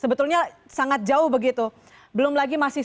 sebetulnya sangat jauh begitu belum lagi masih